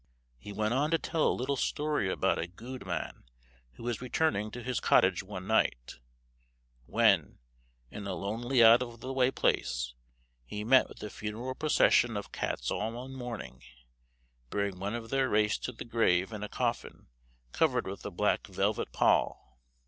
He went on to tell a little story about a gude man who was returning to his cottage one night, when, in a lonely out of the way place, he met with a funeral procession of cats all in mourning, bearing one of their race to the grave in a coffin covered with a black velvet pall.